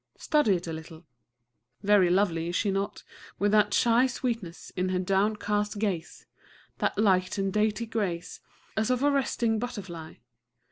Study it a little.... Very lovely, is she not, with that shy sweetness in her downcast gaze, that light and dainty grace, as of a resting butterfly?...